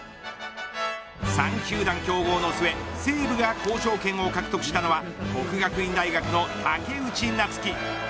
３球団競合の末、西武が交渉権を獲得したのは國學院大學の武内夏暉。